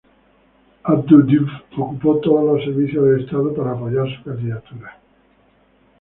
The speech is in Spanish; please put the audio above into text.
Abdou Diouf ocupó todos los servicios del estado para apoyar su candidatura.